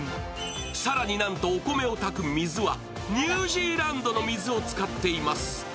更になんとお米を炊く水はニュージーランドの水を使っています。